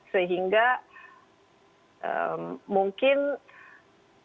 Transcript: sehingga mungkin kebanyakan yang